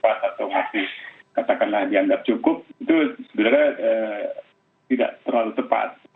atau masih katakanlah dianggap cukup itu sebenarnya tidak terlalu tepat